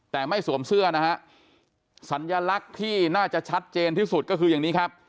แต่ไม่สวมเสื้อนะฮะสัญลักษณ์ที่น่าจะชัดเจนที่สุดก็คืออย่างนี้ครับ